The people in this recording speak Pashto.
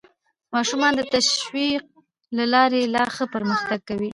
ماشومان د تشویق له لارې لا ښه پرمختګ کوي